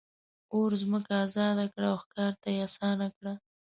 اور ځمکه آزاده کړه او ښکار ته یې آسانه کړه.